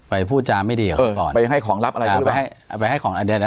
ป่ายพูดจาทำไม่ดีกับเค้าก่อน